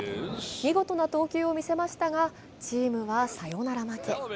見事な投球を見せましたがチームはサヨナラ負け。